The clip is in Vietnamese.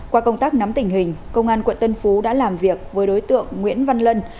qua công tác nắm tình hình công an quận tân phú đã làm việc với đối tượng nguyễn văn lân